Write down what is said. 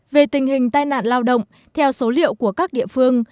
về tình hình tai nạn lao động theo số liệu của các địa phương